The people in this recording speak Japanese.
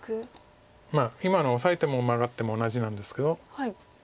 今のオサえてもマガっても同じなんですけど。